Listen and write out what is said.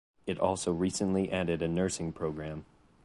It also recently added a nursing program.